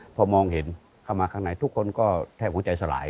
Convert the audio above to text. พอมองเห็นเข้ามาข้างในทุกคนก็แทบหัวใจสลาย